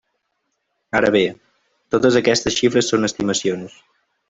Ara bé, totes aquestes xifres són estimacions.